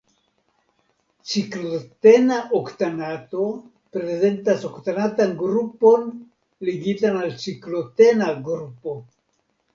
Ciklotena oktanato prezentas oktanatan grupon ligitan al ciklotena grupo.